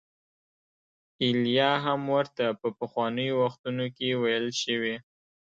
ایلیا هم ورته په پخوانیو وختونو کې ویل شوي.